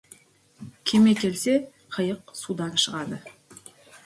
Кеме келсе, қайық судан шығады.